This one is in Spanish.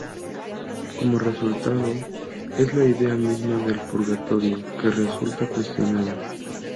Como resultado, es la idea misma del purgatorio que resulta cuestionada.